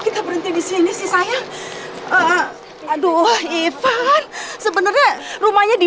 karena dia tak melukai